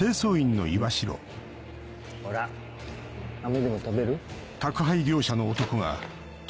ほら飴でも食べる？